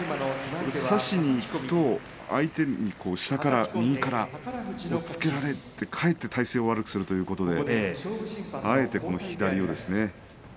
差しにいくと相手に下から右から押っつけられてかえって体勢を悪くするということであえて左を。